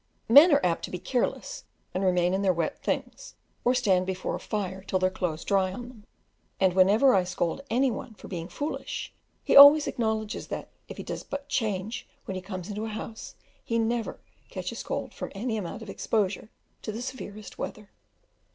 Men are apt to be careless and remain in their wet things, or stand before a fire till their clothes dry on them; and whenever I scold any one for being foolish, he always acknowledges that if he does but change when he comes into a house, he never catches cold from any amount of exposure to the severest weather.